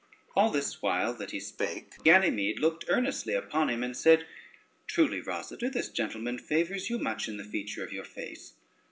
All this while that he spake, Ganymede looked earnestly upon him, and said: "Truly, Rosader, this gentleman favors you much in the feature of your face."